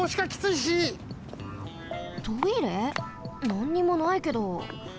なんにもないけど。